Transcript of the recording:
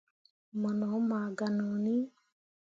Mo no maa ganoni.